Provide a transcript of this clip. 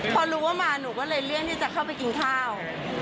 พอรู้ว่ามาหนูก็เลยเลี่ยงที่จะเข้าไปกินข้าว